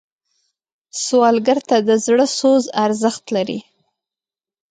سوالګر ته د زړه سوز ارزښت لري